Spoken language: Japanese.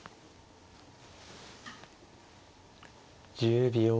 １０秒。